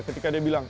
ketika dia bilang